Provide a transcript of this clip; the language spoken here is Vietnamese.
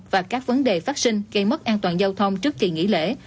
và các vấn đề phát sinh gây mất an toàn giao thông trước kỳ nghỉ lễ